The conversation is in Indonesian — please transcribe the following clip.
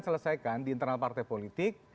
selesaikan di internal partai politik